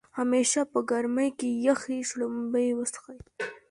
همیشه په ګرمۍ کې يخې شړومبۍ وڅښئ